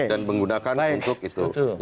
dan menggunakan untuk itu